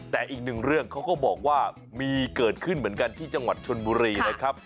แต่อีกหนึ่งเรื่องเขาก็บอกว่ามีเกิดขึ้นเหมือนกันที่จังหวัดชนบุรีนะครับ